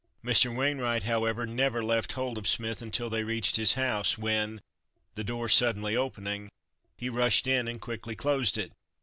Mr. Wainwright, however, never left hold of Smith until they reached his house when, the door suddenly opening, he rushed in and quickly closed it.